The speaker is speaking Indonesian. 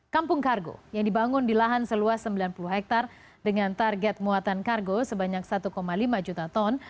kampung kargo yang dibangun di lahan seluas sembilan puluh hektare dengan target muatan kargo sebanyak satu lima juta ton